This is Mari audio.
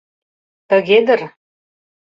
Тыге дыр.